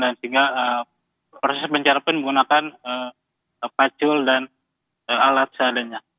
sehingga proses pencarian pun menggunakan pacul dan alat seadanya